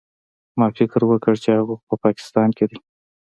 ما فکر وکړ چې هغه خو په پاکستان کښې دى.